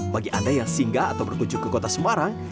bagi anda yang singgah atau berkunjung ke kota semarang